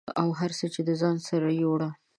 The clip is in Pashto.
او هر څه یې د ځان سره یووړه